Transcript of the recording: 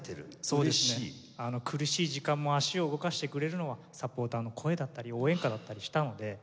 苦しい時間も足を動かしてくれるのはサポーターの声だったり応援歌だったりしたので。